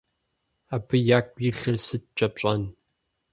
Абы ягу илъыр сыткӀэ пщӀэн?